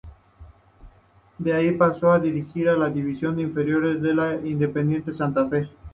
De allí, pasó a dirigir a las divisiones inferiores de Independiente Santa Fe.